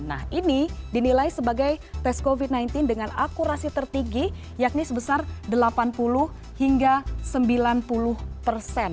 nah ini dinilai sebagai tes covid sembilan belas dengan akurasi tertinggi yakni sebesar delapan puluh hingga sembilan puluh persen